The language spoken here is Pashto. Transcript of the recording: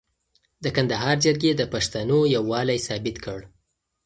د کندهار جرګې د پښتنو یووالی ثابت کړ.